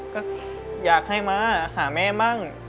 ก็อยากให้มาหาแม่มั่ง